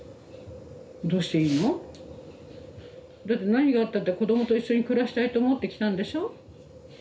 どうしていいの？だって何があったって子どもと一緒に暮らしたいと思って来たんでしょ？